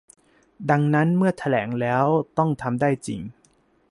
ดังนั้นเมื่อแถลงแล้วต้องทำได้จริง